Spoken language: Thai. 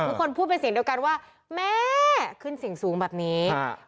พูดเป็นเสียงเดียวกันว่าแม่ขึ้นเสียงสูงแบบนี้